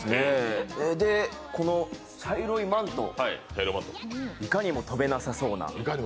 で、茶色いマント、いかにも飛べなさそうな。